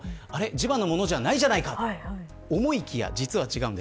地場のものじゃないじゃないかと思いきや、違うんです。